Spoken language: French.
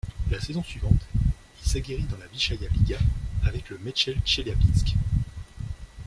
La saison suivante, il s'aguerrit dans la Vyschaïa liga avec le Metchel Tcheliabinsk.